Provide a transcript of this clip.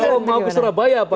kalau mau ke surabaya apa